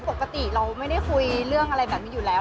ปกติเราไม่ได้คุยเรื่องอะไรแบบนี้อยู่แล้ว